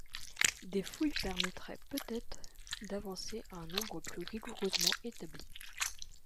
Des fouilles permettraient peut-être d'avancer un nombre plus rigoureusement établi.